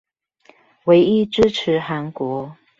唯一支持韓國